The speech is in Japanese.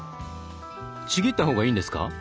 ちぎった方がいいんですか？